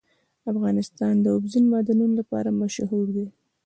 افغانستان د اوبزین معدنونه لپاره مشهور دی.